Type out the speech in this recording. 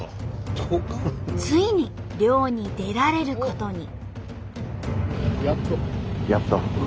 ついに漁に出られることに。